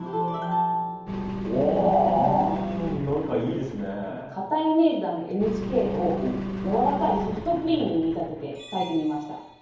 かたいイメージのある「ＮＨＫ」をやわらかいソフトクリームに見立てて書いてみました。